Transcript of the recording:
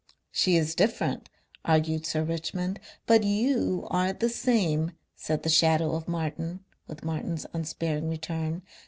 "She is different," argued Sir Richmond. "But you are the same," said the shadow of Martin with Martin's unsparing return.